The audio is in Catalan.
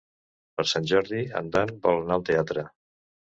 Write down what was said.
Per Sant Jordi en Dan vol anar al teatre.